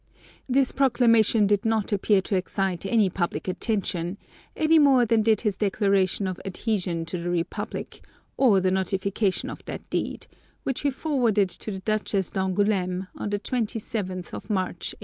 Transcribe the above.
This proclamation did not appear to excite any public attention, any more than did his declaration of adhesion to the Republic, or the notification of that deed, which he forwarded to the Duchess d'Angoulême, on the 27th of March, 1849.